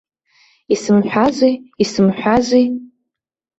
Исымҳәази, исымҳәази!